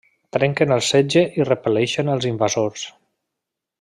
Trenquen el setge i repel·leixen els invasors.